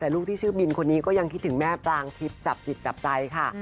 แต่ลูกที่ชื่อบินคนนี้ก็ยังคิดถึงแม่ปรางทิพย์จับจิตจับใจค่ะ